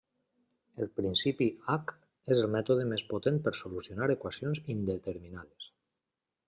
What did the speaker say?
El principi h és el mètode més potent per solucionar equacions indeterminades.